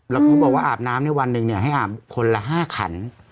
แล้วเขาบอกว่าอาบน้ำในวันหนึ่งให้อาบคนละ๕ขัน